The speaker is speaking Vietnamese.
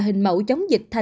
hình mẫu chống dịch thành công